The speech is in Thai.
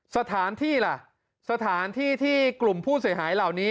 สถานที่ล่ะสถานที่ที่กลุ่มผู้เสียหายเหล่านี้